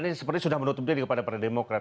ini sudah menutup diri kepada para demokrat